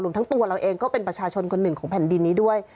ทั้งตัวเราเองก็เป็นประชาชนคนหนึ่งของแผ่นดินนี้ด้วย